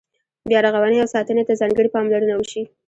بیا رغونې او ساتنې ته ځانګړې پاملرنه وشي.